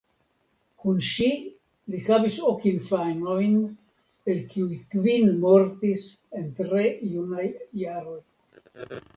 Kun ŝi li havis ok infanojn el kiuj kvin mortis en tre junaj jaroj.